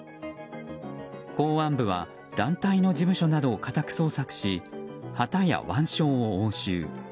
公安部は団体の事務所などを家宅捜索し旗や腕章を押収。